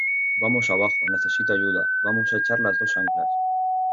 ¡ vamos, abajo , necesito ayuda! ¡ vamos a echar las dos anclas !